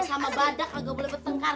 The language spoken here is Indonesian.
sama badak agak boleh bertengkar